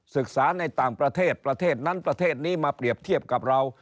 ศึกษาในต่างประเทศประเทศนั้นประเทศนี้มาเปรียบเทียบกับเรา